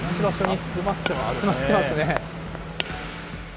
集まってますね。